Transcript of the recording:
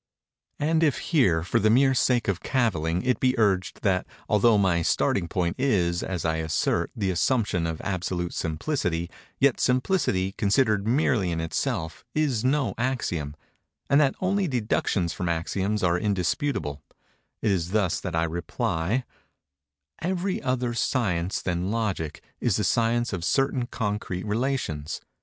And if here, for the mere sake of cavilling, it be urged, that although my starting point is, as I assert, the assumption of absolute Simplicity, yet Simplicity, considered merely in itself, is no axiom; and that only deductions from axioms are indisputable—it is thus that I reply:— Every other science than Logic is the science of certain concrete relations.